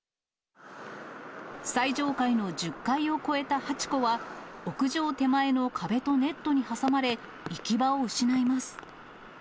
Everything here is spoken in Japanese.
最上階の１０階を超えたはちこは、屋上手前の壁とネットに挟まれ、行き場を失います。